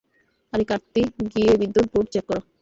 আরে কার্তি, গিয়ে বিদ্যুৎ বোর্ড চেক কর।